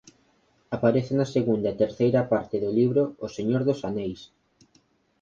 Aparece na segunda e terceira parte do libro "O Señor dos Aneis".